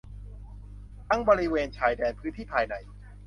ทั้งบริเวณชายแดน พื้นที่ภายใน